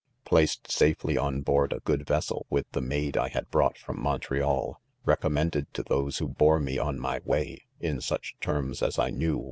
( 'Plac.ed safely on board a good vessel with the maid I had .brought from Montreal 5 recom mended to those'who bore me on my Way in such terms "as I knew.